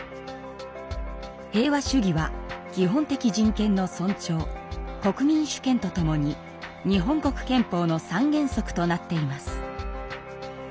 平和主義は「基本的人権の尊重」「国民主権」とともに日本国憲法の三原則となっています。